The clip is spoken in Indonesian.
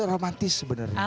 itu romantis sebenarnya